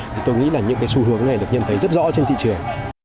thì tôi nghĩ là những cái xu hướng này được nhận thấy rất rõ trên thị trường